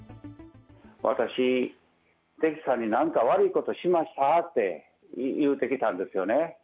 私、出来さんに何か悪いことしました？って言うてきたんですよね。